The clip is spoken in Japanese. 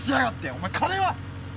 お前金は？